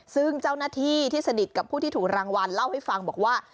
ซึ่งเจ้าหน้าที่ที่สนิทกับผู้ที่ถูกรางวัลเล่าให้ฟังบอกว่า